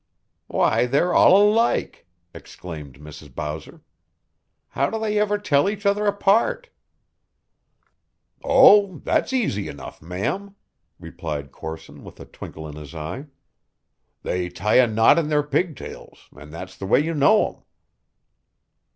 "Why, they're all alike!" exclaimed Mrs. Bowser. "How do they ever tell each other apart?" "Oh, that's aisy enough, ma'am," replied Corson with a twinkle in his eye. "They tie a knot in their pigtails, and that's the way you know 'em."